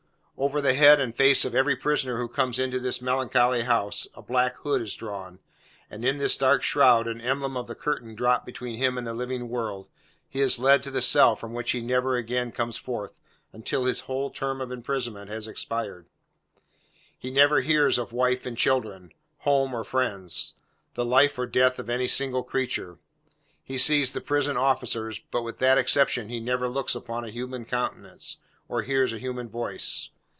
Over the head and face of every prisoner who comes into this melancholy house, a black hood is drawn; and in this dark shroud, an emblem of the curtain dropped between him and the living world, he is led to the cell from which he never again comes forth, until his whole term of imprisonment has expired. He never hears of wife and children; home or friends; the life or death of any single creature. He sees the prison officers, but with that exception he never looks upon a human countenance, or hears a human voice.